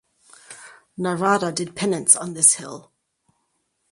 Narada did penance on this hill.